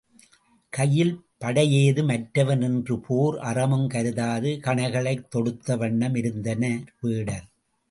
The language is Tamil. கையில் படையேதும் அற்றவன் என்ற போர் அறமும் கருதாது கணைகளைத் தொடுத்தவண்ணமிருந்தனர் வேடர்.